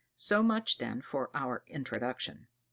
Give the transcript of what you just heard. So much, then, for the introduction.